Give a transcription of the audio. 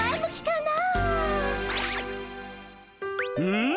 うん？